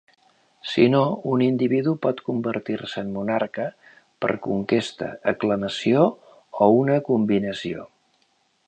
Si no, un individu pot convertir-se en monarca per conquesta, aclamació o una combinació.